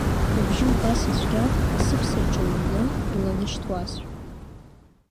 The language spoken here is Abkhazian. Рыбжьы убас ицәгьан, асыԥса ҿыҩрны иланашьҭуазшәа.